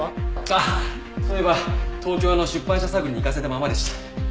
ああそういえば東京の出版社探りに行かせたままでした。